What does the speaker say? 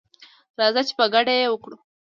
راځه چي په ګډه یې وکړو